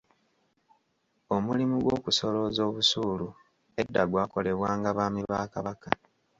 Omulimu gw'okusolooza obusuulu edda gwakolebwanga Baami ba Kabaka.